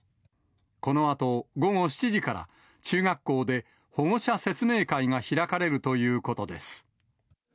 このあと、午後７時から中学校で保護者説明会が開かれるということです。